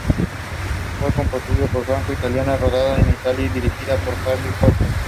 Fue una coproducción franco-italiana, rodada en Italia y dirigida por Henry Koster.